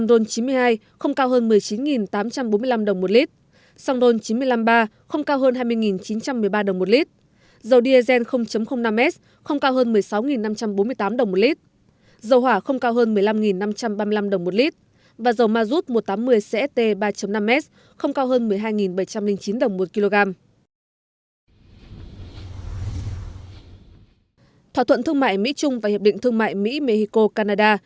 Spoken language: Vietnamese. thỏa thuận thương mại mỹ trung và hiệp định thương mại mỹ mexico canada